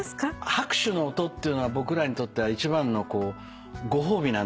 拍手の音っていうのは僕らにとっては一番のご褒美なんですよ。